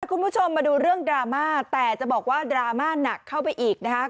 คุณผู้ชมมาดูเรื่องดราม่าแต่จะบอกว่าดราม่าหนักเข้าไปอีกนะครับ